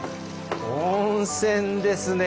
温泉ですね。